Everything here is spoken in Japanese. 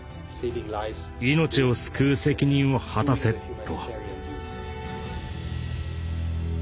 命を救う責任を果たせと。